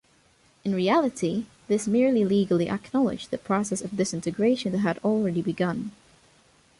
In reality, this merely legally acknowledged the process of disintegration that had already begun.